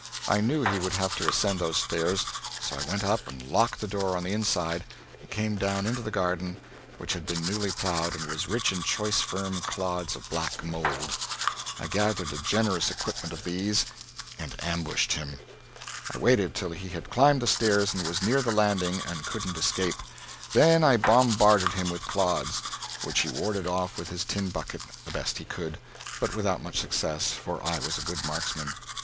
I knew he would have to ascend those stairs, so I went up and locked the door on the inside, and came down into the garden, which had been newly ploughed and was rich in choice firm clods of black mold. I gathered a generous equipment of these, and ambushed him. I waited till he had climbed the stairs and was near the landing and couldn't escape. Then I bombarded him with clods, which he warded off with his tin bucket the best he could, but without much success, for I was a good marksman.